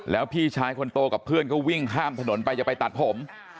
แล้วพี่ชายคนโตกับเพื่อนก็วิ่งข้ามถนนไปจะไปตัดผม